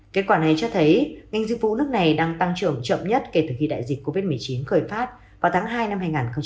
kết quả này cho thấy ngành dịch vụ nước này đang tăng trưởng chậm nhất kể từ khi đại dịch covid một mươi chín khởi phát vào tháng hai năm hai nghìn hai mươi